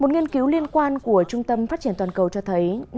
một nghiên cứu liên quan của trung tâm phát triển toàn cầu cho thấy